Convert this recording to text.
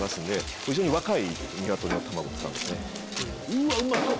うわっうまそう！